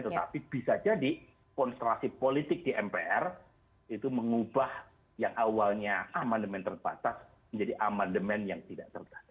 tetapi bisa jadi konstelasi politik di mpr itu mengubah yang awalnya amandemen terbatas menjadi amandemen yang tidak terbatas